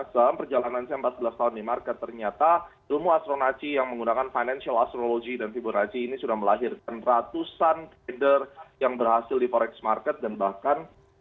dalam perjalanan saya empat belas tahun di market ternyata ilmu astronaci yang menggunakan financial astrology dan fiborasi ini sudah melahirkan ratusan trader yang berhasil di forex market dan bahkan